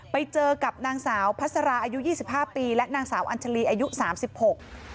ไปเจอกับนางสาวพัสราอายุยี่สิบห้าปีและนางสาวอัญชาลีอายุสามสิบหก